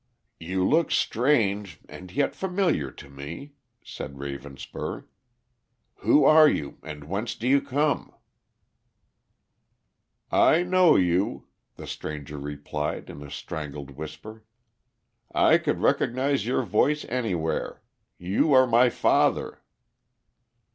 "You look strange and yet familiar to me," said Ravenspur. "Who are you and whence do you come?" "I know you," the stranger replied in a strangled whisper. "I could recognize your voice anywhere. You are my father."